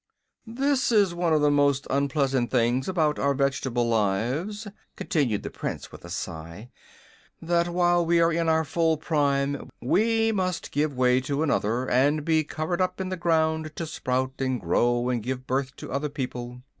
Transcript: "This is one of the most unpleasant things about our vegetable lives," continued the Prince, with a sigh, "that while we are in our full prime we must give way to another, and be covered up in the ground to sprout and grow and give birth to other people."